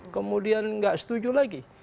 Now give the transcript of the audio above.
kemudian nggak setuju lagi